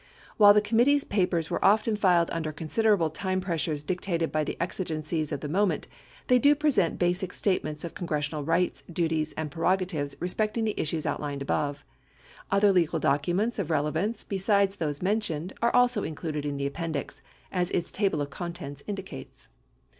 While the committee's papers were often filed under considerable time pressures dictated by the exigencies of the moment, they do present basic statements of congressional rights, duties, and prerogatives re specting the issues outlined above. Other legal documents of relevance besides those mentioned are also included in the Appendix, as its table of contents indicates.